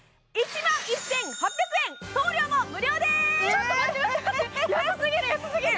ちょっと待って、待って、安過ぎる、安過ぎる！